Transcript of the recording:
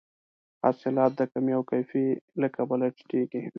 حاصلات د کمې او کیفي له کبله ټیټیږي.